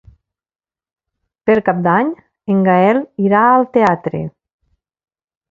Per Cap d'Any en Gaël irà al teatre.